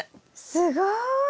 すごい！